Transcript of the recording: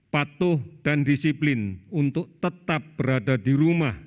patuh dan disiplin untuk tetap berada di rumah